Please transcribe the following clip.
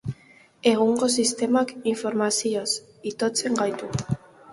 Egungo sistemak informazioz itotzen gaitu.